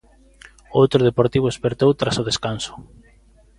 Outro Deportivo espertou tras o descanso.